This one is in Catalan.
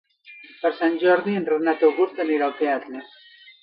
Per Sant Jordi en Renat August anirà al teatre.